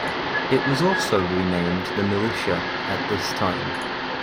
It was also renamed the "Militia" at this time.